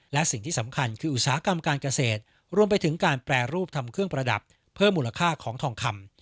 และสิ่งที่สำคัญคืออุตสาหกรรมการเกษตรรวมไปถึงการแปรรูปทำเครื่องประดับเพิ่มมูลค่าของทองคำ